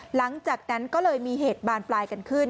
หลังจากนั้นก็เลยมีเหตุบานปลายกันขึ้น